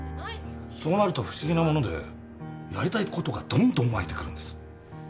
そうなると不思議なものでやりたいことがどんどん湧いてくるんです。